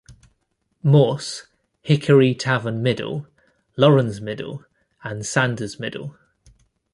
Morse, Hickory Tavern Middle, Laurens Middle, and Sanders Middle.